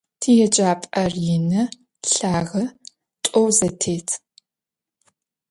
ТиеджапӀэр ины, лъагэ, тӀоу зэтет.